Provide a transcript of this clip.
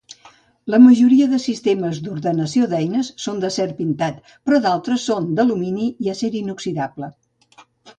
La majoria de sistemes d"ordenació d"eines són d"acer pintat, però d"altres són d"alumini i acer inoxidable.